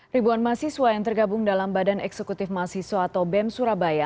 ribuan mahasiswa yang tergabung dalam badan eksekutif mahasiswa atau bem surabaya